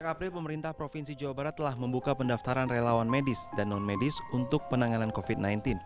dua puluh april pemerintah provinsi jawa barat telah membuka pendaftaran relawan medis dan non medis untuk penanganan covid sembilan belas